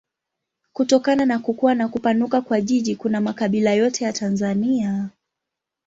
Kutokana na kukua na kupanuka kwa jiji kuna makabila yote ya Tanzania.